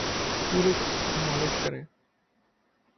پورے جسم کی مالش کریں